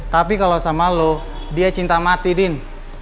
tapi kalau sama lo dia cinta mati din